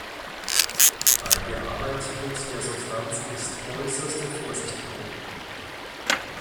Bei der Arbeit mit der Substanz ist äußerste Vorsicht geboten.